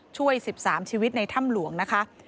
ช่วย๑๓ชีวิตในถ้ำหลวงนะคะ